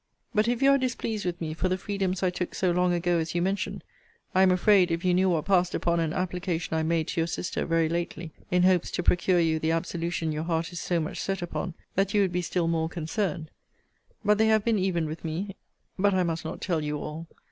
But if you are displeased with me for the freedoms I took so long ago as you mention, I am afraid, if you knew what passed upon an application I made to your sister very lately, (in hopes to procure you the absolution your heart is so much set upon,) that you would be still more concerned. But they have been even with me but I must not tell you all.